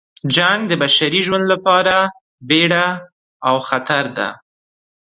جنګ د بشري ژوند لپاره بیړه او خطر ده.